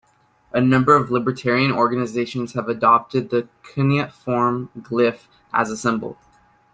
A number of Libertarian organizations have adopted the cuneiform glyph as a symbol.